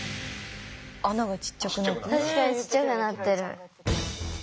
確かにちっちゃくなってる。